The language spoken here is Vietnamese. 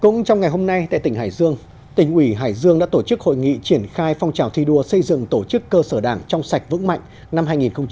ngay tại tỉnh hải dương tỉnh ủy hải dương đã tổ chức hội nghị triển khai phong trào thi đua xây dựng tổ chức cơ sở đảng trong sạch vững mạnh năm hai nghìn hai mươi bốn